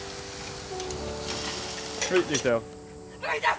はい。